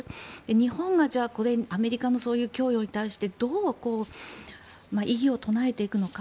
日本がアメリカのそういう供与に対してどう、異議を唱えていくのか。